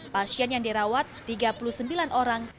pasien yang dirawat tiga puluh sembilan orang